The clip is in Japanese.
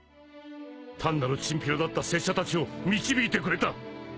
単なるチンピラだった拙者たちを導いてくれた